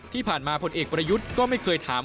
ที่ผ่านมาผลเอกประยุทธ์ก็ไม่เคยถาม